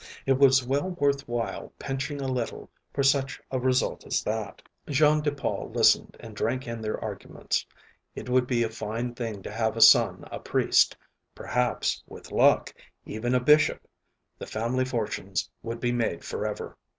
It was well worthwhile pinching a little for such a result as that. Jean de Paul listened and drank in their arguments. It would be a fine thing to have a son a priest; perhaps, with luck, even a Bishop the family fortunes would be made forever.